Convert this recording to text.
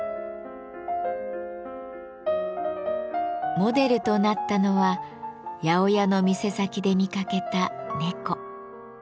モデルとなったのは八百屋の店先で見かけた猫。